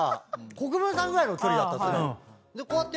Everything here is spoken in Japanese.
国分さんぐらいの距離だったとして。